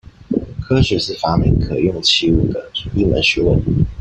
科學是發明可用器物的一門學問